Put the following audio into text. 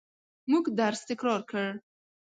موږ درس تکرار کړ.